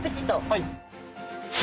はい。